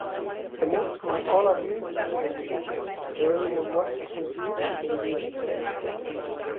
Removed from all appeal to the will, the horrible was transmuted into the beautiful.